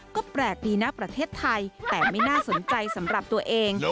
ก็แปลกดีนะประเทศไทยแต่ไม่น่าสนใจสำหรับตัวเอง